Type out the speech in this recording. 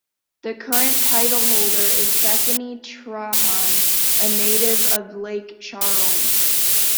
The current titleholder is Bethany Trahan, a native of Lake Charles.